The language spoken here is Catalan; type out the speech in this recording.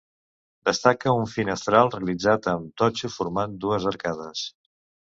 Destaca un finestral realitzat amb totxo formant dues arcades.